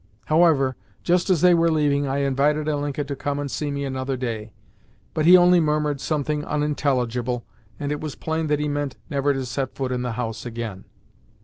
However, just as they were leaving, I invited Ilinka to come and see me another day; but he only murmured something unintelligible, and it was plain that he meant never to set foot in the house again.